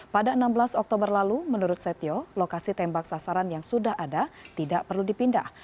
pada enam belas oktober lalu menurut setio lokasi tembak sasaran yang sudah ada tidak perlu dipindah